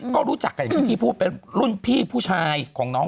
ก็รู้จักกับอย่างที่พี่พูดเป็นรุ่นพี่ผู้ชายของน้อง